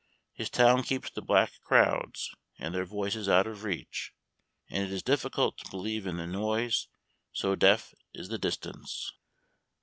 His town keeps the black crowds and their voices out of reach, and it is difficult to believe in the noise, so deaf is the distance.